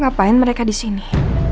ngapain mereka di sini